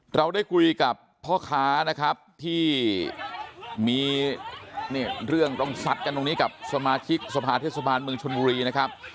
เราได้คุยกับพ่อค้านะครับที่มีเรื่องต้องซัดกันตรงนี้กับสมาชิกสภาเทศบาลเมืองชนบุรีนะครับ